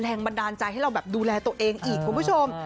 แรงบันดาลใจให้เราแบบดูแลตัวเองอีกคุณผู้ชม